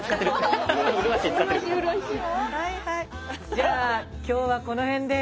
じゃあ今日はこのへんで。